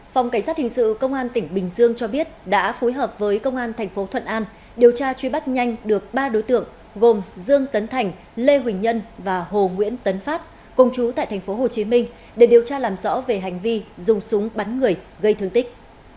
phòng cảnh sát hình sự công an tỉnh bình dương cho biết đã phối hợp với công an thành phố thuận an điều tra truy bắt nhanh được ba đối tượng gồm dương tấn thành lê huỳnh nhân và hồ nguyễn tấn phát công chú tại tp hcm để điều tra làm rõ về hành vi dùng súng bắn người gây thương tích